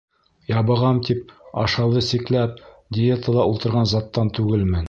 Ябығам тип, ашауҙы сикләп, диетала ултырған заттан түгелмен.